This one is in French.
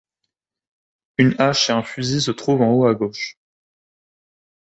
Une hache et un fusil se trouvent en haut à gauche.